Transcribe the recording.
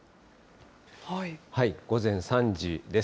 午前３時です。